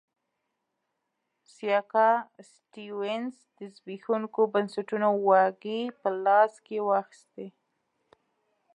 سیاکا سټیونز د زبېښونکو بنسټونو واګې په لاس کې واخیستې.